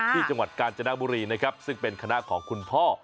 จังหวัดกาญจนบุรีนะครับซึ่งเป็นคณะของคุณพ่อ